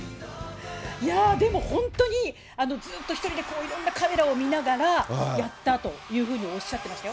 いや、でも本当にずっと１人でいろんなカメラを見ながらやったというふうにおっしゃっていましたよ。